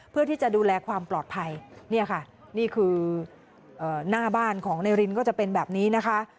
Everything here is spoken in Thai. เพื่อที่จะดูแลความปลอดภัยเนี่ยค่ะนี่คือหน้าบ้านของนายรินก็จะเป็นแบบนี้นะคะ